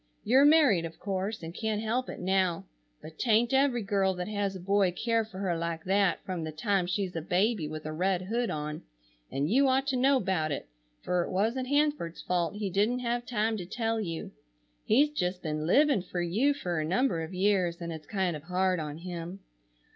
You're married of course, and can't help it now, but 'taint every girl that has a boy care for her like that from the time she's a baby with a red hood on, and you ought to know 'bout it, fer it wasn't Hanford's fault he didn't have time to tell you. He's just been living fer you fer a number of years, and its kind of hard on him.